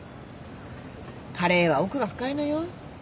カレーは奥が深いのよ。